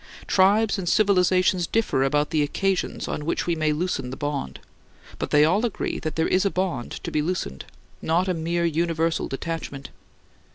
Tribes and civilizations differ about the occasions on which we may loosen the bond, but they all agree that there is a bond to be loosened, not a mere universal detachment.